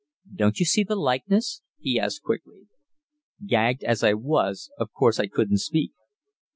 "Don't you see the likeness?" he asked quickly. Gagged as I was, of course I couldn't speak.